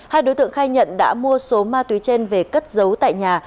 hai đối tượng khai nhận đã mua số ma túy trên về cất giấu tại nhà